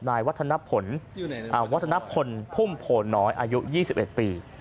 นายวัฒนผลอ่าวัฒนผลพุ่มโผลน้อยอายุยี่สิบเอ็ดปี